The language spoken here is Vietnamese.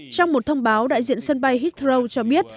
trong một thông báo đại diện sân bay heattro cho biết